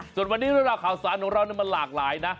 ส่วนวันนี้เรื่องราวเขาสารระหลากหลายนะ